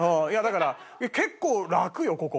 いやだから結構楽よ